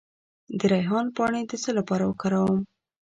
د ریحان پاڼې د څه لپاره وکاروم؟